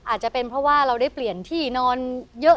อาจจะเป็นเพราะว่าเราได้เปลี่ยนที่นอนเยอะ